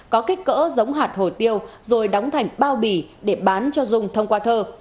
có kích cỡ giống hạt hổ tiêu rồi đóng thành bao bì để bán cho dung thông qua thơ